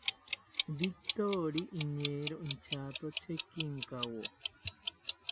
Victori iñeero inchato chekinkawo